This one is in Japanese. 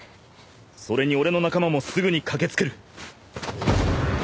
それに俺の仲間もすぐに駆け付ける。